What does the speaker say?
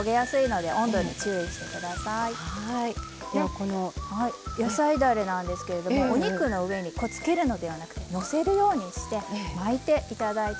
この野菜だれなんですけれどもお肉の上につけるのではなくてのせるようにして巻いて頂いて下さい。